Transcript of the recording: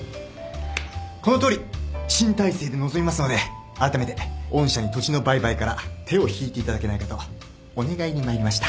このとおり新体制で臨みますのであらためて御社に土地の売買から手を引いていただけないかとお願いに参りました。